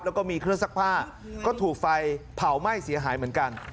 แล้วก็มีเครื่องซักผ้าก็ถูกไฟเผาไหม้เสียหายเหมือนกัน